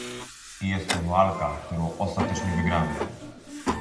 I jest to walka, którą ostatecznie wygramy